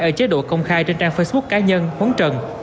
ở chế độ công khai trên trang facebook cá nhân huấn trần